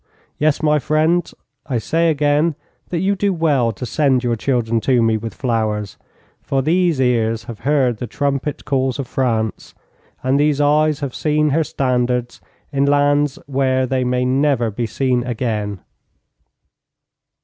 Yes, my friends, I say again that you do well to send your children to me with flowers, for these ears have heard the trumpet calls of France, and these eyes have seen her standards in lands where they may never be seen again.